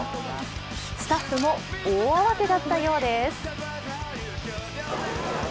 スタッフも大慌てだったようです。